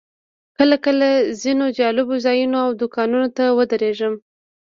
کله کله ځینو جالبو ځایونو او دوکانونو ته ودرېږم.